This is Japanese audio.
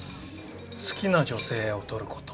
好きな女性を撮ること。